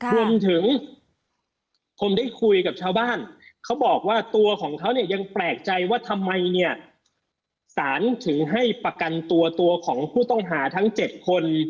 รวมถึงผมได้คุยกับชาวบ้านเขาบอกว่าตัวของเขาเนี่ยยังแปลกใจว่าทำไมเนี่ยสารถึงให้ประกันตัวตัวของผู้ต้องหาทั้ง๗คน